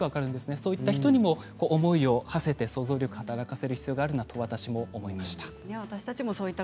そういう人にも思いをはせて想像力を働かせる必要があるなと私も思いました。